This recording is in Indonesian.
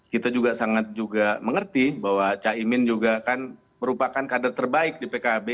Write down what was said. kita juga sangat juga mengerti bahwa caimin juga kan merupakan kader terbaik di pkb